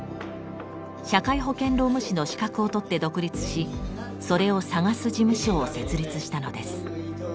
社会保険労務士の資格をとって独立しそれを探す事務所を設立したのです。